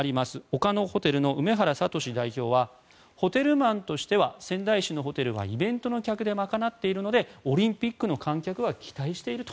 丘のホテルの梅原敏代表はホテルマンとしては仙台市のホテルはイベント客で賄っているのでオリンピックの観客は期待していると。